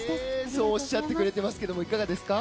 そうおっしゃってくれていますが、いかがですか？